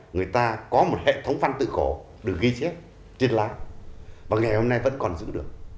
người ta có một hệ thống văn tự khổ được ghi chép trên lá và ngày hôm nay vẫn còn giữ được